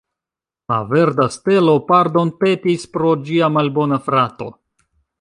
La verda stelo pardonpetis pro ĝia malbona frato.